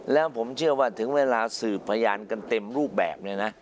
แล้วผมเชื่อว่าถึงเวลาสื่อพยานกันเต็มรูปแบบ